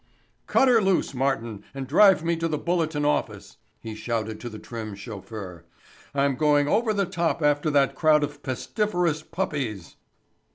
"Cut her loose, Martin, and drive me to the Bulletin office," he shouted to the trim chauffeur. "I'm going over the top after that crowd of pestiferous puppies."